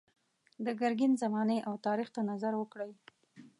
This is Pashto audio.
د ګرګین زمانې او تاریخ ته نظر وکړئ.